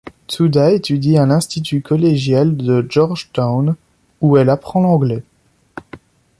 Tsuda étudie à l'institut collégial de Georgetown, où elle apprend l'anglais.